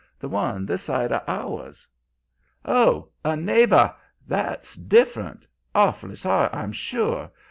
The one this side of ours.' "'Oh, a neighbor! That's different. Awfully sorry, I'm sure.